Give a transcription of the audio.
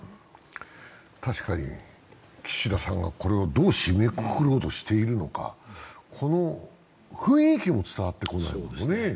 確かに、岸田さんがこれをどう締めくくろうとしているのか、雰囲気も伝わってこないですね。